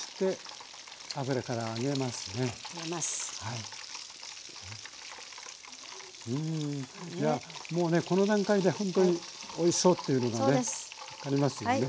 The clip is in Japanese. いやもうねこの段階でほんとにおいしそうというのがね分かりますよね。